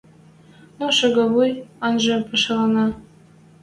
«Но шагавуй?» — «Ажны пӓшӓленнӓ